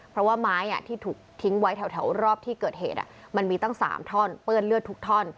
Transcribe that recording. เพราะว่าไม้ที่ถูกทิ้งไว้แถวรอบที่เกิดเหตุมันมีตั้ง๓ท่อนเปื้อนเลือดทุกท่อน